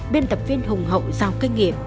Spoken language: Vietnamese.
biên tập viên hùng hậu dòng